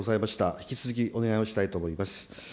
引き続きお願いをしたいと思います。